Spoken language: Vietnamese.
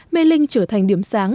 mê linh trở thành điểm sáng